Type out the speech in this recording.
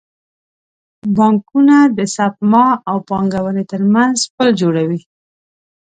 بانکونه د سپما او پانګونې ترمنځ پل جوړوي.